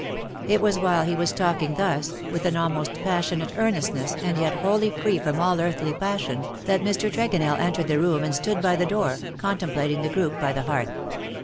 It was while he was talking thus, with an almost passionate earnestness, and yet wholly free from all earthly passion_, that Mr. Tregonell entered the room and stood by the door, contemplating the group by the hearth.